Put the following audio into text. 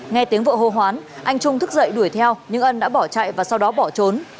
nghe tiếng vợ hô hoán anh trung thức dậy đuổi theo nhưng ân đã bỏ chạy và sau đó bỏ trốn